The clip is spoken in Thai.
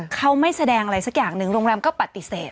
เขาไม่แสดงอะไรสักอย่างหนึ่งโรงแรมก็ปฏิเสธ